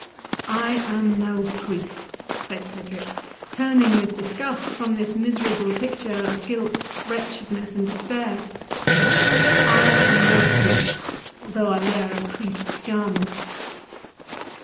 "I am no priest," said Cedric, turning with disgust from this miserable picture of guilt, wretchedness, and despair; "I am no priest, though I wear a priest's garment."